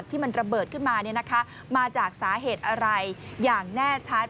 ที่มันระเบิดขึ้นมามาจากสาเหตุอะไรอย่างแน่ชัด